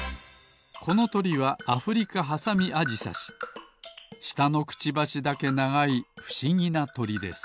このとりはアフリカハサミアジサシしたのクチバシだけながいふしぎなとりです。